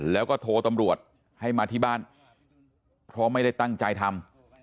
แล้วก็โทรตำรวจให้มาที่บ้านเพราะไม่ได้ตั้งใจทำ